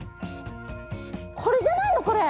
これじゃないのこれ。